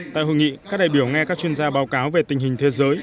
tại hội nghị các đại biểu nghe các chuyên gia báo cáo về tình hình thế giới